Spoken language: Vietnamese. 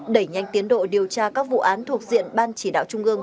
đẩy nhanh tiến độ điều tra các vụ án thuộc diện ban chỉ đạo trung ương